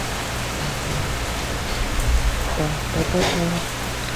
তিনি তখন ওই বাসায়ই থাকতেন এবং ঘটনার সময় ওই বাড়িতেই অবস্থান করছিলেন।